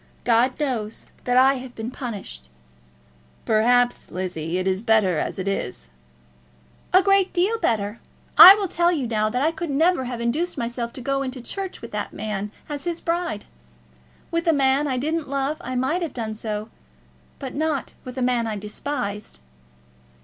God knows that I have been punished." "Perhaps, Lizzie, it is better as it is." "A great deal better. I will tell you now that I could never induce myself to go into church with that man as his bride. With a man I didn't love I might have done so, but not with a man I despised."